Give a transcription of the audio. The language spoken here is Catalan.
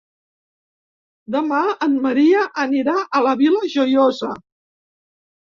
Demà en Maria anirà a la Vila Joiosa.